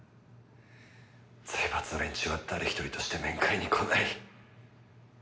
財閥の連中は誰一人として面会に来ない。